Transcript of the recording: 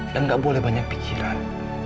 dan gak boleh banyak pikiran